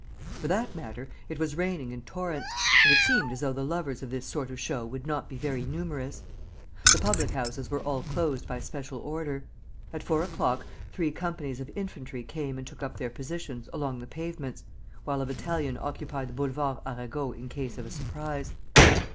For that matter, it was raining in torrents; and it seemed as though the lovers of this sort of show would not be very numerous. The public houses were all closed by special order. At four o'clock three companies of infantry came and took up their positions along the pavements, while a battalion occupied the Boulevard Arago in case of a surprise.